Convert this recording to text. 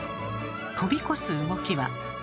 とび越す動きは。